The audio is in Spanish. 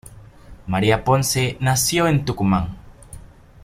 María Ponce nació en Tucumán.